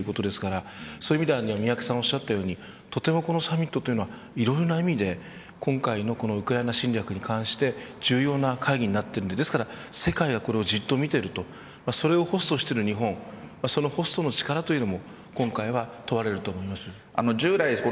サミットの場だからこそできるということですからそういう意味では宮家さんがおっしゃったようにこのサミットは、いろんな意味で今回のウクライナ侵略に関して重要な会議になっているので世界は、これをじっと見ているとそれをホストしている日本そのホストの力というものも今回は問われると思います。